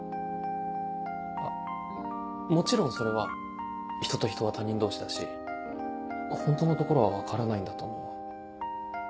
あもちろんそれは人と人は他人同士だしホントのところは分からないんだと思う。